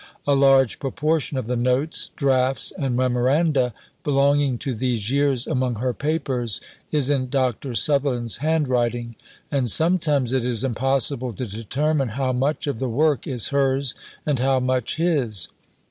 A large proportion of the notes, drafts, and memoranda, belonging to these years, among her papers, is in Dr. Sutherland's handwriting, and sometimes it is impossible to determine how much of the work is hers and how much his.